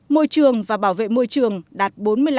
môi trường và bảo vệ môi trường đạt bốn mươi năm hai mươi tám